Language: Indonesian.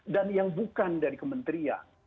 dan yang bukan dari kementerian